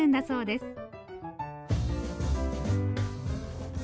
そうです。